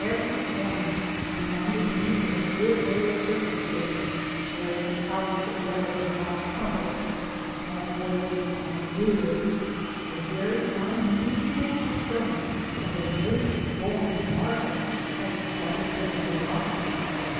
every corner, reminding mu of good old circus days, though without the blare of brass instruments, the small boys bringing up the rear. The very unusual occurrence of a lady going to market had excited their curiosity.